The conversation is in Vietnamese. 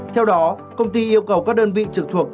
theo đó công ty yêu cầu các đơn vị trực thuộc